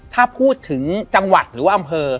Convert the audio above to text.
ถ้าพูดถึงจังหวัดหรือว่าอำเภอ